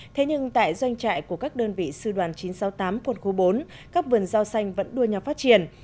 thế nhưng tại doanh trại của các đơn vị sư đoàn chín trăm sáu mươi tám quân khu bốn các vườn rau xanh vẫn đua nhau phát triển